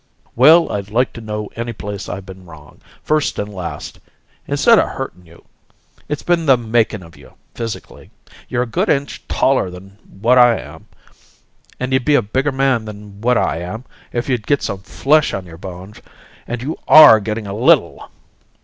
"Well, I'd like to know any place I been wrong, first and last! Instead o' hurting you, it's been the makin' of you physically. You're a good inch taller'n what I am, and you'd be a bigger man than what I am if you'd get some flesh on your bones; and you ARE gettin' a little.